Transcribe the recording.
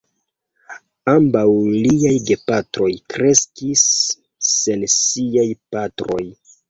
Ambaŭ liaj gepatroj kreskis sen siaj patroj.